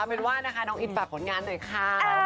เป็นว่านะคะน้องอินฝากผลงานหน่อยค่ะ